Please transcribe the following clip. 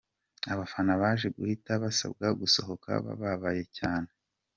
Abafana baje guhita basabwa gusohoka bababaye cyane.